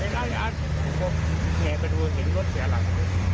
ขอบคุณครับ